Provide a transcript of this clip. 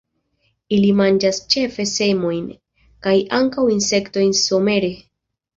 Ili manĝas ĉefe semojn, kaj ankaŭ insektojn somere.